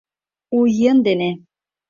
У йӧн дене!